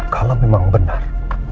kalau memang benar